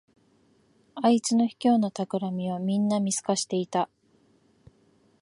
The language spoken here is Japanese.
あいつの卑劣なたくらみをみんな見透かしていた